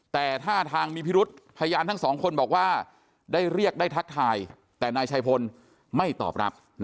แต่ท่าทางมีพิรุษพยานทั้งสองคนบอกว่าได้เรียกได้ทักทายแต่นายชัยพลไม่ตอบรับ